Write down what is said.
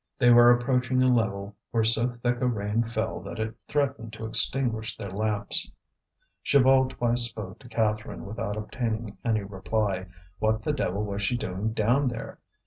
They were approaching a level where so thick a rain fell that it threatened to extinguish their lamps. Chaval twice spoke to Catherine without obtaining any reply. What the devil was she doing down there?